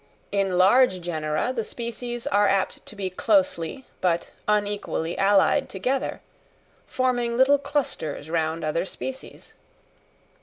In large genera the species are apt to be closely but unequally allied together, forming little clusters round other species.